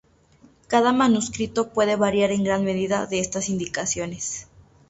Cada manuscrito puede variar en gran medida de estas indicaciones.